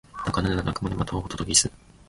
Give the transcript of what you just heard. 鳴かぬなら鳴くまで待とうホトトギス